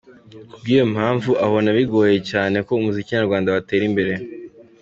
Kubw’iyo mpamvu abona bigoye cyane ko umuziki nyarwanda watera imbere.